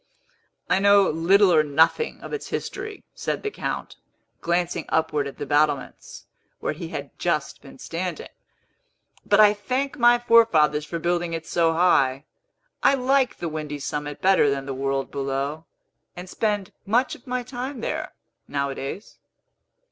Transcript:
"I know little or nothing of its history," said the Count, glancing upward at the battlements, where he had just been standing. "But I thank my forefathers for building it so high. I like the windy summit better than the world below, and spend much of my time there, nowadays."